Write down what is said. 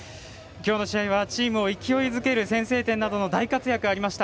きょうの試合はチームを勢いづける先制点など大活躍、ありました。